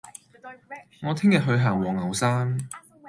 我聽日去行黃牛山